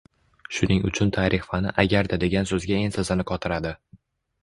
Shuning uchun tarix fani “agarda“ degan soʻzga ensasini qotiradi.